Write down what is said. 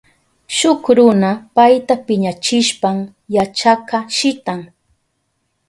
Shuk runa payta piñachishpan yachakka shitan.